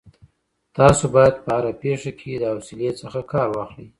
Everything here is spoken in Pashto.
تاسو باید په هره پېښه کي له حوصلې څخه کار واخلئ.